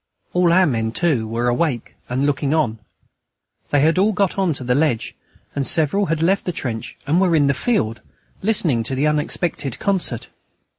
All our men too were awake and looking on. They had all got on to the ledge, and several had left the trench and were in the field, listening to the unexpected concert.